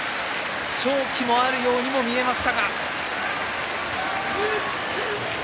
勝機があるようにも見えました。